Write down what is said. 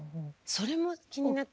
それも気になってて。